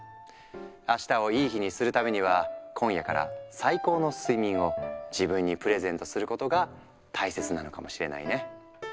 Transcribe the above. あしたをいい日にするためには今夜から最高の睡眠を自分にプレゼントすることが大切なのかもしれないね。